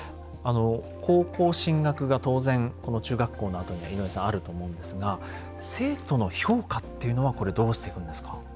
高校進学が当然中学校のあとには井上さんあると思うんですが生徒の評価っていうのはこれどうしていくんですか？